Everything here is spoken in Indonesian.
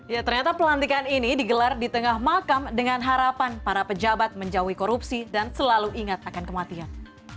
ya ternyata pelantikan ini digelar di tengah makam dengan harapan para pejabat menjauhi korupsi dan selalu ingat akan kematian